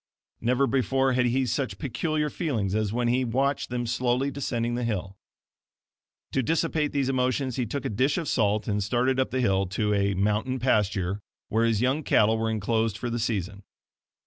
Never before had he such peculiar feelings as when he watched them slowly descending the hill. To dissipate these emotions he took a dish of salt and started up the hill to a "mountain pasture" where his young cattle were enclosed for the season.